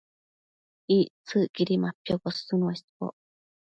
Ictsëcquidi mapiocosën uesboc